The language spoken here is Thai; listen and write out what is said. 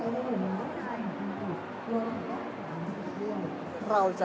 ของโมทอไซค์กันนะคะ